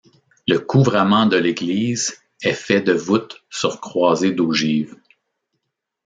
Le couvrement de l'église est fait de voûtes sur croisée d’ogives.